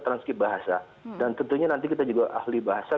transkip bahasa dan tentunya nanti kita juga ahli bahasa